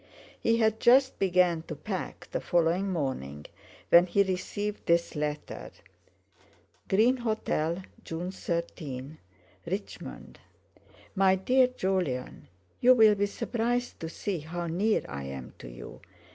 He had just begun to pack the following morning when he received this letter: "GREEN HOTEL, "RICHMOND. "June 13. "MY DEAR JOLYON, "You will be surprised to see how near I am to you.